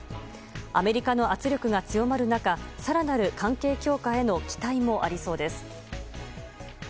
アメリカの圧力が強まる中更なる関係強化への期待もありそうです。